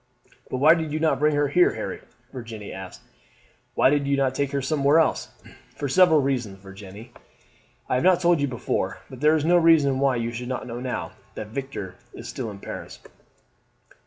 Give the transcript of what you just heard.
"But why did you not bring her here, Harry?" Virginie asked. "Why did you take her somewhere else?" "For several reasons, Virginie. I have not told you before, but there is no reason why you should not know now, that Victor is still in Paris."